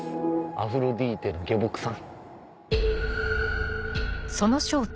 「アフロディーテの下僕」さん。